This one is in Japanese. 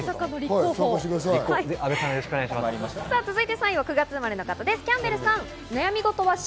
３位は９月生まれの方です。